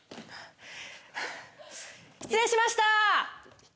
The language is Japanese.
失礼しました！